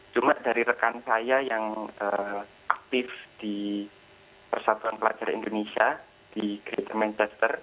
cuma dari rekan saya yang aktif di persatuan pelajar indonesia di greatment